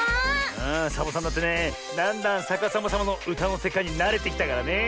ああサボさんだってねだんだんさかさまさまのうたのせかいになれてきたからね。